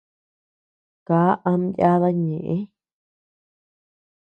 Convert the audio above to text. Kaa ama yáda ñëʼe.